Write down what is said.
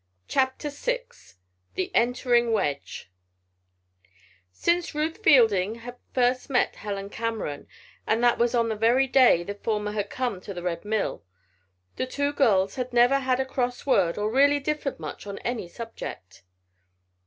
CHAPTER VI THE ENTERING WEDGE Since Ruth Fielding had first met Helen Cameron and that was on the very day the former had come to the Red Mill the two girls had never had a cross word or really differed much on any subject.